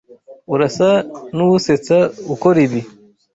Urasa nuwusetsa ukora ibi.